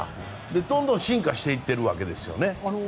どんどん進化していってるわけです。